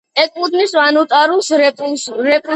ეკუთვნის ვანუატუს რესპუბლიკას.